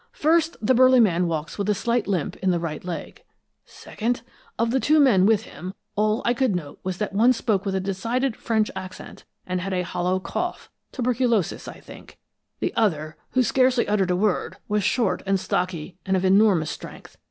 First, the burly man walks with a slight limp in the right leg. Second, of the two men with him, all I could note was that one spoke with a decided French accent and had a hollow cough, tuberculous, I think; the other, who scarcely uttered a word, was short and stocky, and of enormous strength.